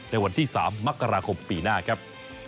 ในวันที่๓มกราคมปีหน้าครับ